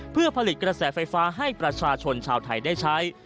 เพื่อผลิตกระแสไฟฟ้าให้ประชาชนชาวไทยได้ใช้